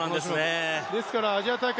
ですからアジア大会